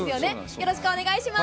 よろしくお願いします。